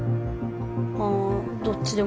あどっちでも。